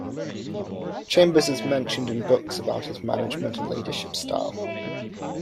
Chambers is mentioned in books about his management and leadership style.